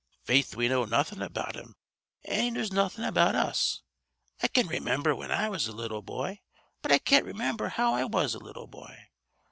"Faith we know nawthin' about him an' he knows nawthin' about us. I can raymimber whin I was a little boy but I can't raymimber how I was a little boy.